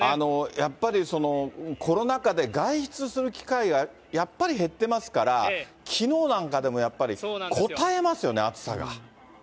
やっぱりコロナ禍で外出する機会がやっぱり減っていますから、きのうなんかでもやっぱり、こたえますよね、暑さが。